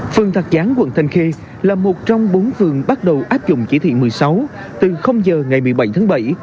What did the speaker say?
phường thạch giáng quận thanh khê là một trong bốn phường bắt đầu áp dụng chỉ thị một mươi sáu từ giờ ngày một mươi bảy tháng bảy